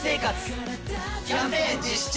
キャンペーン実施中！